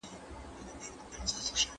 د لږکیو کلتور او ژبه باید وساتل سي.